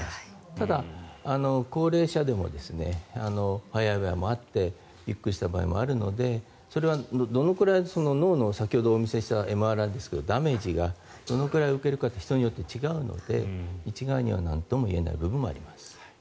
ただ、高齢者でも早い場合もあってゆっくりした場合もあるのでそれはどのくらい脳の先ほどお見せしたＭＲＩですがダメージがどのくらい受けるかって人によって違うので一概にはなんとも言えない部分もあります。